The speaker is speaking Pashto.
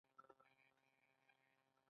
هر پښتون دې د پښتو ویاړ وکړي.